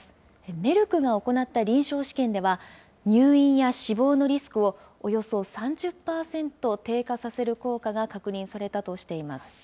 メルクが行った臨床試験では、入院や死亡のリスクをおよそ３０％低下させる効果が確認されたとしています。